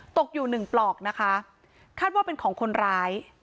ตกอยู่หนึ่งปลอกนะคะคาดว่าเป็นของคนร้าย